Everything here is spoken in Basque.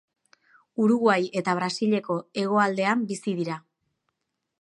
Uruguai eta Brasileko hegoaldean bizi dira.